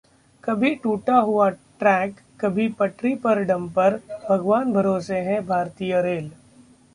कभी टूटा हुआ ट्रैक, कभी पटरी पर डंपर, भगवान भरोसे है भारतीय रेल